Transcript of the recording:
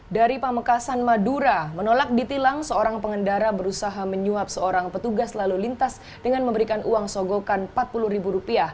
dari pamekasan madura menolak ditilang seorang pengendara berusaha menyuap seorang petugas lalu lintas dengan memberikan uang sogokan rp empat puluh